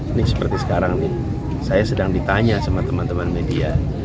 ini seperti sekarang nih saya sedang ditanya sama teman teman media